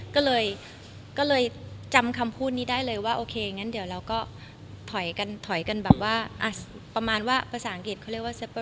ก็เลยจำคำพูดนี้ได้เลยว่าโอเคงั้นเดี๋ยวเราก็ถอยกันถอยกันแบบว่าประมาณว่าภาษาอังกฤษเขาเรียกว่าเซเปอร์